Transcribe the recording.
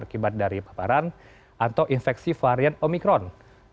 akibat dari paparan atau infeksi varian omikron